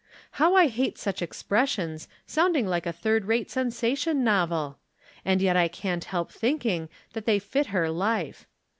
How I hate such expressions, sounding like a third rate sensation novel ! And yet I can't help thinking that they fit her life.